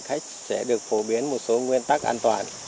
khách sẽ được phổ biến một số nguyên tắc an toàn